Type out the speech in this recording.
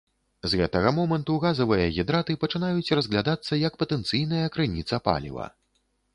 З гэтага моманту газавыя гідраты пачынаюць разглядацца як патэнцыйная крыніца паліва.